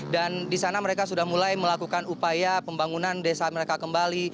dan di sana mereka sudah mulai melakukan upaya pembangunan desa mereka kembali